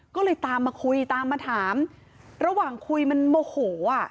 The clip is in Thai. ก็เลยตามมาคุยตามมาถามระหว่างคุยมันโมโหอ่ะ